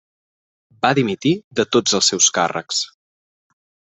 Va dimitir de tots els seus càrrecs.